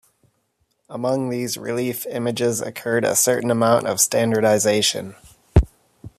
Among these relief images occurred a certain amount of standardization.